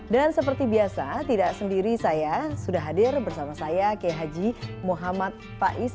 dan seperti biasa tidak sendiri saya sudah hadir bersama saya k h m fais